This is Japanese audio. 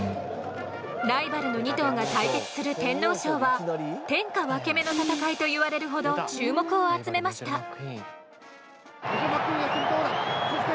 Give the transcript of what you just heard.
ライバルの２頭が対決する天皇賞は天下分け目の戦いと言われるほど注目を集めました。